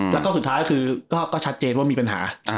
แล้วก็สุดท้ายคือก็ชัดเจนว่ามีปัญหา